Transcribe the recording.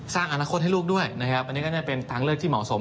สร้างอนาคตให้ลูกด้วยนะครับอันนี้ก็จะเป็นทางเลือกที่เหมาะสม